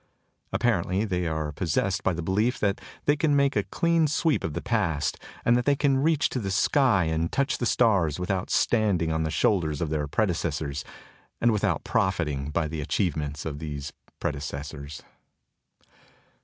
Apparently they are possessed by the belief that they can make a clean sweep of the past and that they can reach to the sky and touch the stars without standing on the shoulders of their predecessors and without profiting by the achievements of these prede cessors.